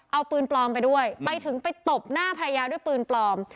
เอาปืนปลอมไปด้วยไปถึงไปตบหน้าภรรยาด้วยปืนปลอม